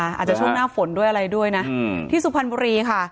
อาจจะช่วงหน้าฝนด้วยอะไรด้วยนะที่สุพรรณบุรีค่ะ